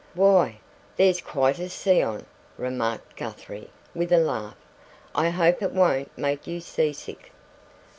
"Why, there's quite a sea on," remarked Guthrie, with a laugh. "I hope it won't make you sea sick."